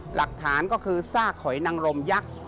หลักฐานก็คือซากหอยนังลมยักษ์